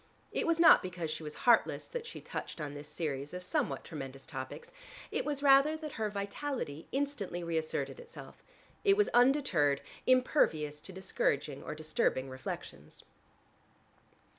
It was not because she was heartless that she touched on this series of somewhat tremendous topics: it was rather that her vitality instantly reasserted itself: it was undeterred, impervious to discouraging or disturbing reflections.